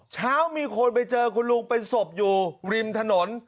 เช้ามีคนไปเจอคุณลุงเป็นศพอยู่ริมถนน